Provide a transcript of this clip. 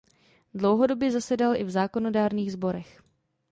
Dlouhodobě zasedal i v zákonodárných sborech.